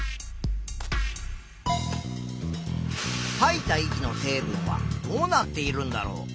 いた息の成分はどうなっているんだろう？